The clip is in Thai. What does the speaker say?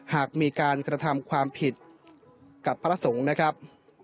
หากมีการกระทำความผิดกับพระสงฆ์นะครับ